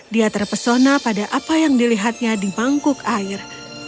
dia terpesona pada apa yang dilihatnya di mangkuk air